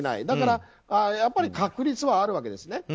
だから、確率はあるわけですね。